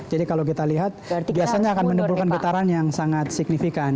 jadi kalau kita lihat biasanya akan menemburkan getaran yang sangat signifikan